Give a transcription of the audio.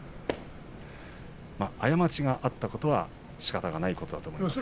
過ちがあったことはしかたがないことだと思います。